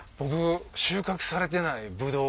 収穫されてないぶどう